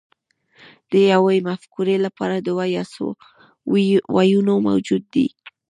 د یوې مفکورې لپاره دوه یا څو ویونه موجود وي